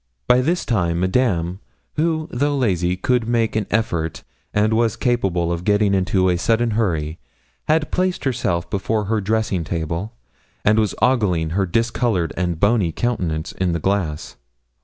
By this time Madame, who, though lazy, could make an effort, and was capable of getting into a sudden hurry, had placed herself before her dressing table, and was ogling her discoloured and bony countenance in the glass.